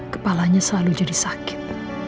kepalanya selalu jadi sakit